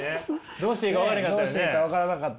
どうしていいか分からなかった。